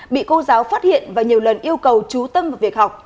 bị cô giáo phát hiện và nhiều lần yêu cầu trú tâm vào việc học